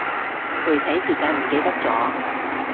具體時間唔記得咗